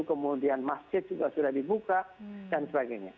kemudian masjid juga sudah dibuka dan sebagainya